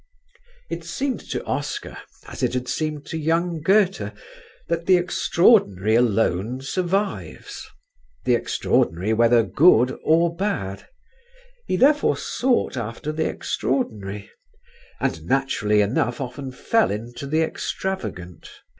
It seemed to Oscar, as it had seemed to young Goethe, that "the extraordinary alone survives"; the extraordinary whether good or bad; he therefore sought after the extraordinary, and naturally enough often fell into the extravagant.